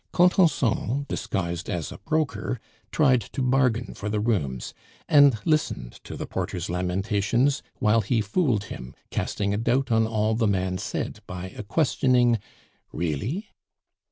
Contenson, disguised as a broker, tried to bargain for the rooms, and listened to the porter's lamentations while he fooled him, casting a doubt on all the man said by a questioning "Really?"